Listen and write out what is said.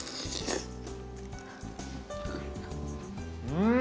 うん！